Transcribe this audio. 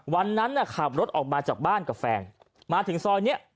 วันนั้นน่ะขับรถออกมาจากบ้านกับแฟนมาถึงซอยนี้